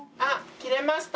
着れました。